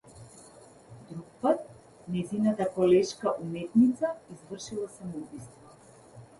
Друг пат, нејзината колешка уметница извршила самоубиство.